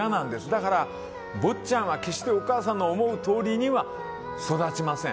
だから、坊ちゃんは決してお母さんの思うとおりには育ちません。